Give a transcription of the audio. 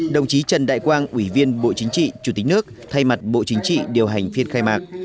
đồng chí trần đại quang ủy viên bộ chính trị chủ tịch nước thay mặt bộ chính trị điều hành phiên khai mạc